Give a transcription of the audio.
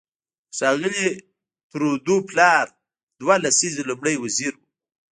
د ښاغلي ترودو پلار دوه لسیزې لومړی وزیر و.